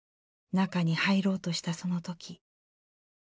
中に入ろうとしたその時。